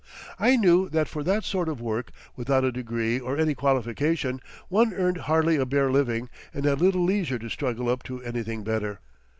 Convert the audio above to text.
I knew that for that sort of work, without a degree or any qualification, one earned hardly a bare living and had little leisure to struggle up to anything better.